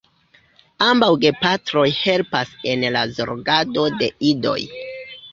Ambaŭ gepatroj helpas en la zorgado de idoj.